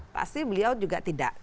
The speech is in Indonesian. pasti beliau juga tidak